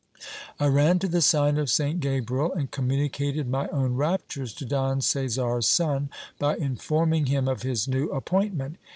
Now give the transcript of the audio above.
I ran to the sign of Saint Gabriel, and communicated my own raptures to Don Caesar's son, by informing him of his new appointment.